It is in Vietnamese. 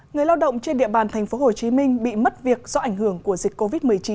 người lao động trên địa bàn thành phố hồ chí minh bị mất việc do ảnh hưởng của dịch covid một mươi chín